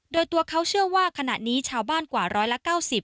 โดยตัวเขาเชื่อว่าขณะนี้ชาวบ้านกว่าร้อยละ๙๐